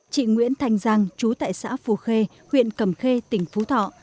chị nguyễn thành giang chú tại xã phù khê huyện cầm khê tỉnh phú thọ